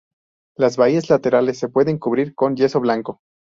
Las bahías laterales se pueden cubrir con yeso blanco.